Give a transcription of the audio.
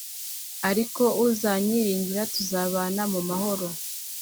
Ariko uzanyiringira, tuzabana mu mahoro,